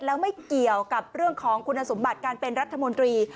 แล้วไม่เกี่ยวกับเรื่องของคุณสมบัติการเป็นรัฐมนตรี